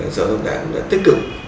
so s dân tài cũng đã tích cực